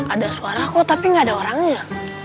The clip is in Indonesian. ada suara kok tapi nggak ada orangnya